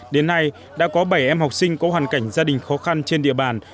đến nay đã có bảy em học sinh có hoàn cảnh gia đình khó khăn trên địa bàn